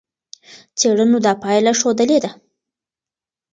څېړنو دا پایله ښودلې ده.